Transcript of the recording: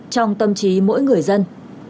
trong tâm trí mỗi người dân